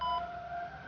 kamu sudah selesai